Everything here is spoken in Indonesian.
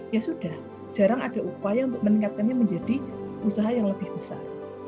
ya sudah jarang ada upaya untuk meningkatkannya menjadi usaha yang lebih besar